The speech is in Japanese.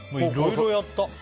いろいろやった。